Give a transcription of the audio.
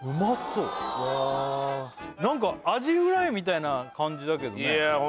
そううわなんかアジフライみたいな感じだけどね